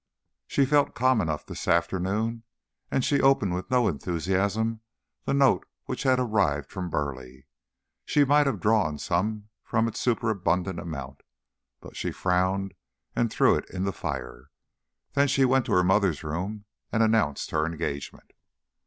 She felt calm enough this afternoon, and she opened with no enthusiasm the note which had arrived from Burleigh. She might have drawn some from its superabundant amount, but she frowned and threw it in the fire. Then she went to her mother's room and announced her engagement.